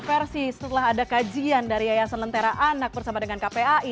setelah jadi kontroversi setelah ada kajian dari yayasan lentera anak bersama dengan kpai